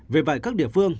vì vậy các địa phương